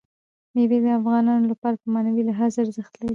مېوې د افغانانو لپاره په معنوي لحاظ ارزښت لري.